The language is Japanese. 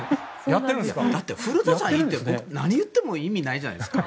だって古田さんがいるんだよ何を言っても意味ないじゃないですか。